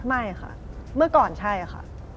ไม่ค่ะเมื่อก่อนใช่ค่ะ